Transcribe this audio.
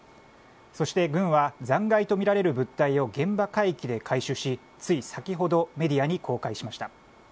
そして、軍は残骸とみられる物体を現場海域で回収しつい先ほどメディアに公開しました。